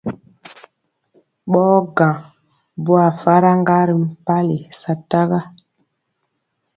Ɓɔɔ gaŋ bwaa faraŋga ri mpali sataga.